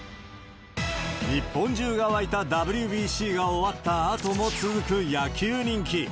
日本中が沸いたＷＢＣが終わったあとも続く野球人気。